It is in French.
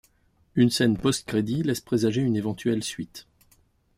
Une scène post-crédits laisse présager une éventuelle suite.